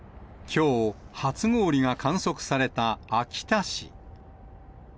きょう、初氷が観測された秋田市。